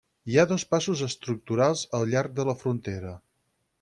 Hi ha dos passos estructurals al llarg de la frontera.